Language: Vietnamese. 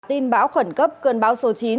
tin bão khẩn cấp cơn bão số chín